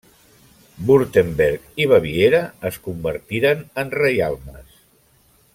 Württemberg i Baviera es convertiren en reialmes.